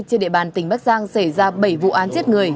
trên địa bàn tỉnh bắc giang xảy ra bảy vụ án giết người